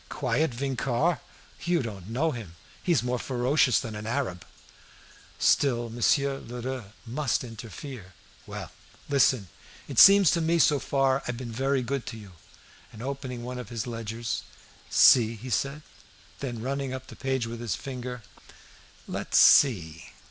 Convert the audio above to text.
Quiet Vincart! You don't know him; he's more ferocious than an Arab!" Still Monsieur Lheureux must interfere. "Well, listen. It seems to me so far I've been very good to you." And opening one of his ledgers, "See," he said. Then running up the page with his finger, "Let's see!